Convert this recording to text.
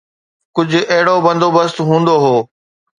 ڪجهه اهڙو بندوبست هوندو هو.